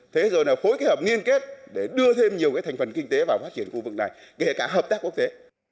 thế rồi là phối kết hợp nghiên kết để đưa thêm nhiều cái thành phần kinh tế vào phát triển khu vực này kể cả hợp tác quốc tế